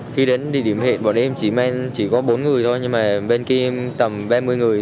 khi đến địa điểm hẹn bọn em chỉ may chỉ có bốn người thôi nhưng mà bên kia tầm ba mươi người